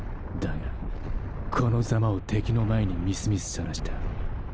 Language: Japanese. だがこのザマを敵の前にみすみす晒した。